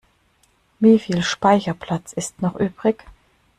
Wie viel Speicherplatz ist noch übrig?